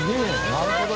なるほど！